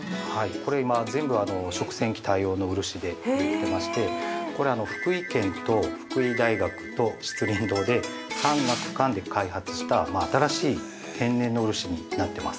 ◆これ今、全部食洗機対応の漆で売ってまして、これは福井県と福井大学と漆琳堂で、産・学・官で開発した新しい天然の漆になってます。